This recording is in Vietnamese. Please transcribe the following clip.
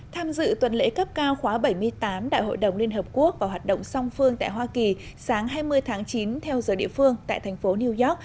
tham dự tuần lễ cấp cao khóa bảy mươi tám đại hội đồng liên hợp quốc và hoạt động song phương tại hoa kỳ sáng hai mươi tháng chín theo giờ địa phương tại thành phố new york